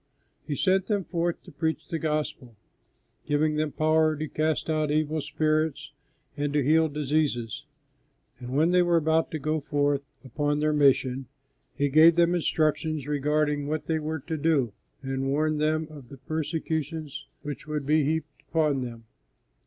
He sent them forth to preach the gospel, giving them power to cast out evil spirits and to heal diseases; and when they were about to go forth upon their mission, He gave them instructions regarding what they were to do, and warned them of the persecutions which would be heaped upon them.